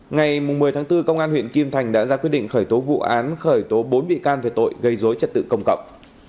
ngày một mươi tháng bốn công an huyện kim thành đã ra quyết định khởi tố vụ án khởi tố bốn bị can về tội gây dối trật tự công cộng